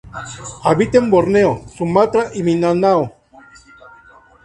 Habita en Borneo, Sumatra y Mindanao.